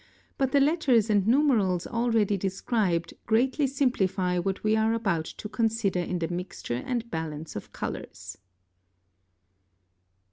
but the letters and numerals already described greatly simplify what we are about to consider in the mixture and balance of colors.